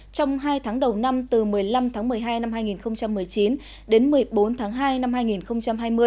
trong hai tháng đầu năm từ một mươi năm tháng một mươi hai năm hai nghìn một mươi chín đến một mươi bốn tháng hai năm hai nghìn hai mươi